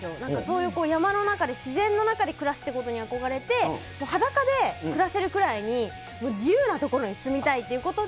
なんかそういう、山の中で、自然の中で暮らすことに憧れて、もう裸で暮らせるくらいに、自由な所に住みたいということで。